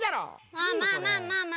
まあまあまあまあまあ。